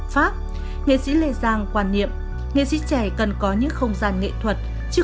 pháp nghệ sĩ lê giang quan niệm nghệ sĩ trẻ cần có những không gian nghệ thuật chứ không